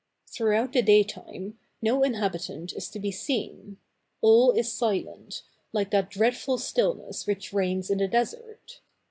Throughout the daytime, no inhabitant is to be seen; all is silent, like that dreadful stillness which reigns in the desert.